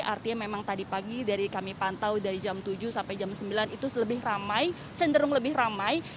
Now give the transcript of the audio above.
artinya memang tadi pagi dari kami pantau dari jam tujuh sampai jam sembilan itu lebih ramai cenderung lebih ramai